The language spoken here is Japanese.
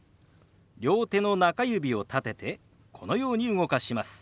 両手の中指を立ててこのように動かします。